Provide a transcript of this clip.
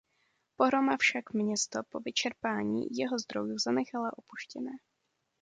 Pohroma však město po vyčerpání jeho zdrojů zanechala opuštěné.